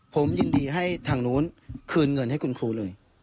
ผมยินดีให้ทางนู้นคืนเงินให้คุณครูเลย